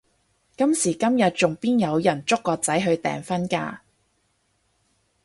今時今日仲邊有人捉個仔去訂婚㗎？